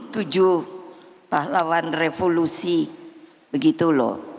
tujuh pahlawan revolusi begitu loh